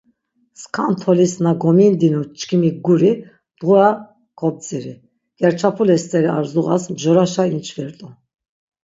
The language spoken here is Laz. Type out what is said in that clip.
Skan tolis na gomindinu çkimi guri mdğura kobdziri, gerçapule steri ar zuğas mjoraşa inçvirt̆u.